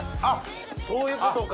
そういうことか。